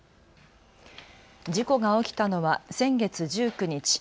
事故が起きたのは先月１９日。